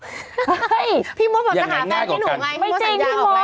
เฮ้ยพี่มสบอกจะหาแฟนแค่หนูไหมพี่มสสัญญาออกรายการแล้วเนี่ยยังไงง่ายกว่ากัน